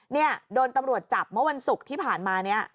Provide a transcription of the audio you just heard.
เนี่ยโดนตำรวจจับเมื่อวันศุกร์ที่ผ่านมาเนี่ย